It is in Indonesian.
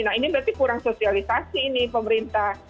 nah ini berarti kurang sosialisasi nih pemerintah